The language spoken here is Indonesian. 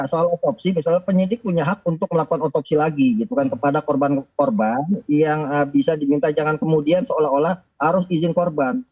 soal otopsi misalnya penyidik punya hak untuk melakukan otopsi lagi gitu kan kepada korban korban yang bisa diminta jangan kemudian seolah olah harus izin korban